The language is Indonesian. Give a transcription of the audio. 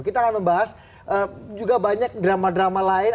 kita akan membahas juga banyak drama drama lain